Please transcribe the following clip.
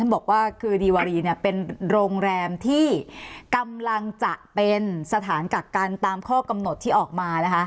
บอกว่าคือดีวารีเป็นโรงแรมที่กำลังจะเป็นสถานกักกันตามข้อกำหนดที่ออกมานะคะ